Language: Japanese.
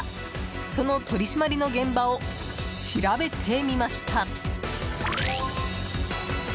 その取り締まりの現場を調べてみました。